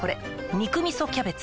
「肉みそキャベツ」